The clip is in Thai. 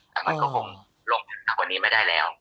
ทำไม่ก็ล่มจากวันนี้ไม่ได้แล้ว